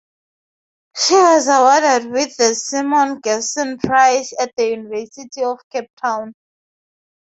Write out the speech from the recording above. She was awarded with the Simon Gerson Prize at the University of Cape Town.